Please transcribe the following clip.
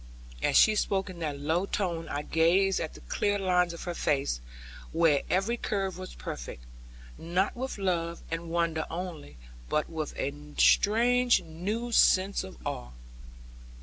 As she spoke in that low tone I gazed at the clear lines of her face (where every curve was perfect) not with love and wonder only, but with a strange new sense of awe.